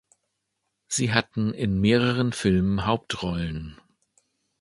Sie hatten in mehreren Filmen Hauptrollen.